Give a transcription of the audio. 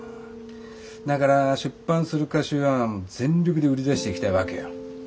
だから出版する歌集は全力で売り出していきたいわけよ。